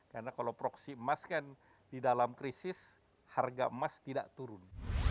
karena kalau proxy emas kan di dalam krisis harga emas tidak turun